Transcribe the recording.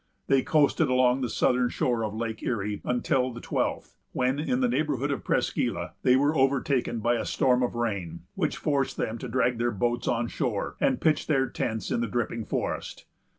They coasted along the southern shore of Lake Erie until the twelfth, when, in the neighborhood of Presqu' Isle, they were overtaken by a storm of rain, which forced them to drag their boats on shore, and pitch their tents in the dripping forest.